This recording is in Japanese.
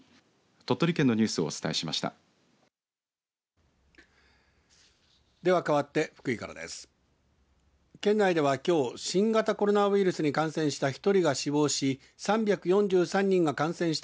鳥取県のニュースをお伝えしました。